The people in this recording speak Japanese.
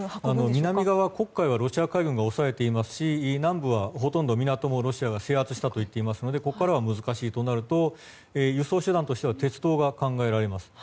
南側、黒海はロシア海軍が押さえていますし南部はほとんど港もロシアが制圧したと言っていますのでここから難しいということになりますと輸送手段としては鉄道が考えられます。